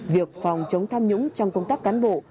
việc phòng chống tham nhũng trong công tác cán bộ